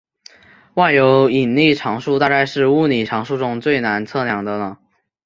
万有引力常数大概是物理常数中最难测量的了。